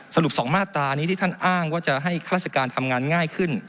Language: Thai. สรุป๒มาตรานี้ที่ท่านอ้างว่าจะให้ข้าราชการทำงานง่ายขึ้น